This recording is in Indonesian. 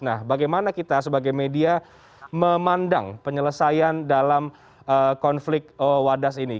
nah bagaimana kita sebagai media memandang penyelesaian dalam konflik wadas ini